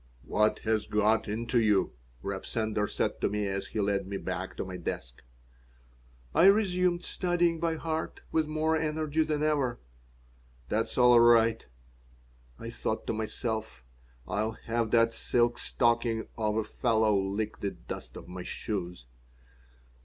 "What has got into you?" Reb Sender said to me as he led me back to my desk I resumed studying by heart with more energy than ever. "That's all right!" I thought to myself. "I'll have that silk stocking of a fellow lick the dust of my shoes."